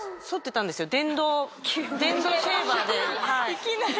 いきなり？